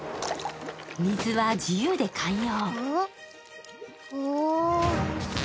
水は自由で寛容。